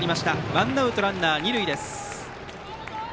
ワンアウトランナー、二塁です。